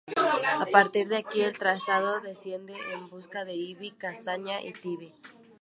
A partir de aquí, el trazado desciende en busca de Ibi, Castalla y Tibi.